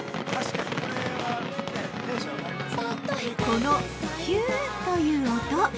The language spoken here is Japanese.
このヒュという音。